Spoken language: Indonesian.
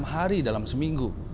enam hari dalam seminggu